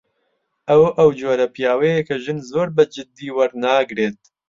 ئەو، ئەو جۆرە پیاوەیە کە ژن زۆر بەجددی وەرناگرێت.